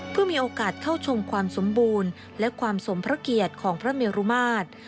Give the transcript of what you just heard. เพื่อมีโอกาสเข้าชมความสมบูรณ์และความสมพระเกียรติของพระเมรุมาตร